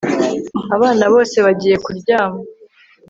Abana bose bagiye kuryama